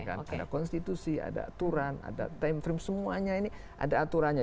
ada konstitusi ada aturan ada time frame semuanya ini ada aturannya